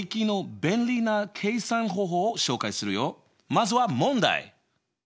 まずは問題！